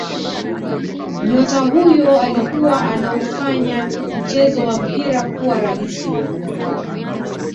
Nyota huyo alikuwa anaufanya mchezo wa mpira kuwa rahisi